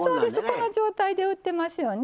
この状態で売ってますよね。